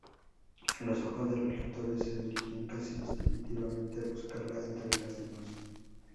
Los ojos de los lectores se dirigían casi instintivamente a buscarla entre las demás.